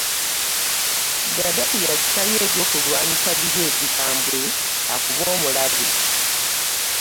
Gaddafi yasikayo ebyokulwanyisa biri ebikambwe akube omulabe.